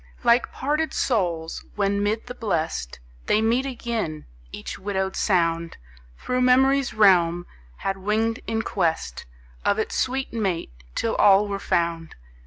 Like parted souls, when, mid the Blest They meet again, each widowed sound Thro' memory's realm had winged in quest Of its sweet mate, till all were found.